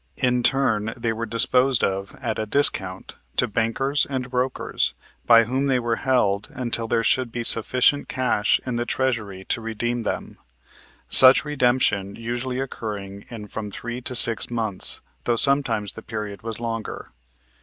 In turn they were disposed of at a discount to bankers and brokers by whom they were held until there should be sufficient cash in the treasury to redeem them, such redemption usually occurring in from three to six months, though sometimes the period was longer.